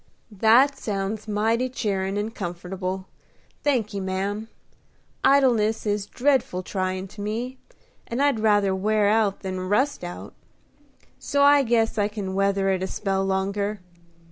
"That sounds mighty cheerin' and comfortable, thanky, ma'am. Idleness is dreadful tryin' to me, and I'd rather wear out than rust out; so I guess I can weather it a spell longer.